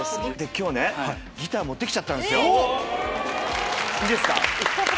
今日ギター持って来たんですよいいですか？